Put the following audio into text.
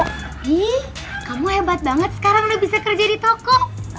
eh kamu hebat banget sekarang udah bisa kerja di toko